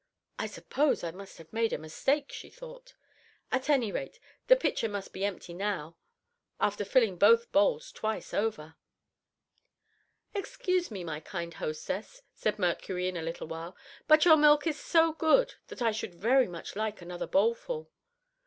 "I suppose I must have made a mistake," she thought, "at any rate the pitcher must be empty now after filling both bowls twice over." "Excuse me, my kind hostess," said Mercury in a little while, "but your milk is so good that I should very much like another bowlful."